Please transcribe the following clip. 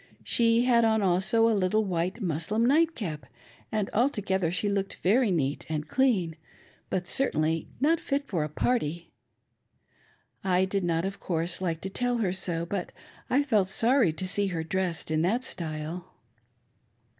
She had on also a little white muslin nightcap, and altogether she looked very neat and clean, but certainly hot fit for a party. I did not, of course, like to tell her so, but I felt sorry to see her dressed in that style.